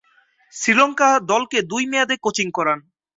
শ্রীলঙ্কা দলকে দুই মেয়াদে কোচিং করান।